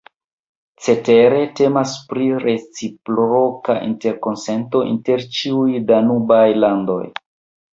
Cetere, temas pri reciproka interkonsento inter ĉiuj danubaj landoj.